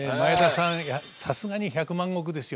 さすがに百万石ですよね。